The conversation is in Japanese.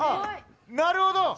なるほど。